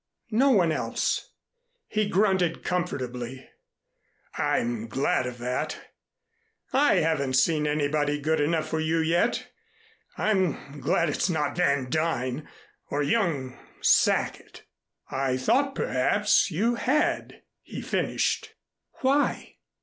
"No one else." He grunted comfortably. "I'm glad of that. I haven't seen anybody good enough for you yet. I'm glad it's not Van Duyn or young Sackett. I thought, perhaps, you had," he finished. "Why?"